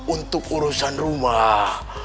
untuk urusan rumah